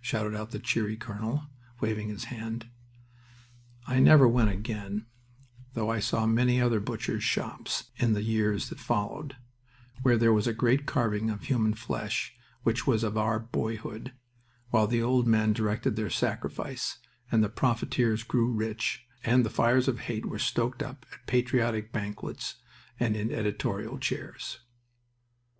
shouted out the cheery colonel, waving his hand. I never went again, though I saw many other Butcher's Shops in the years that followed, where there was a great carving of human flesh which was of our boyhood, while the old men directed their sacrifice, and the profiteers grew rich, and the fires of hate were stoked up at patriotic banquets and in editorial chairs.